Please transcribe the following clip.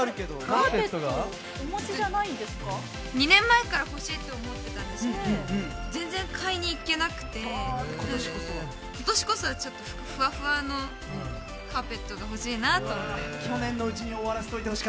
２年前から欲しいって思ってたんですけど全然買いに行けなくて今年こそは、ふわふわのカーペットが欲しいなと思って。